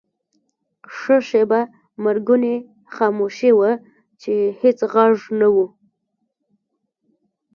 ښه شیبه مرګونې خاموشي وه، چې هېڅ ږغ نه و.